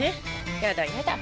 やだやだ。